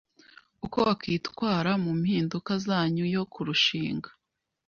Uko wakwitwara mu mpinduka zanyuma yo kurushinga